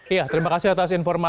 iya terima kasih atas informasi